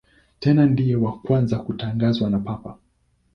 Tena ndiye wa kwanza kutangazwa na Papa.